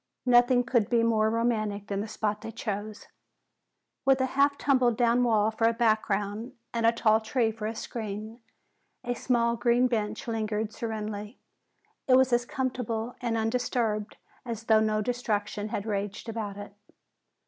Nothing could be more romantic than the spot they chose. With a half tumbled down wall for a background and a tall tree for a screen, a small green bench lingered serenely. It was as comfortable and undisturbed as though no destruction had raged about it.